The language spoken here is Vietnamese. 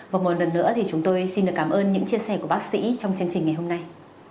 và một lần nữa thì chúng tôi xin được cảm ơn những chia sẻ của bác sĩ trong chương trình ngày hôm nay